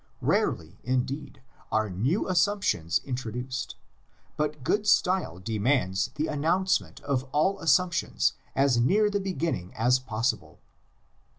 Rarely indeed are new assumptions introduced, but good style demands the announcement of all assumptions as near the begin ning as possible.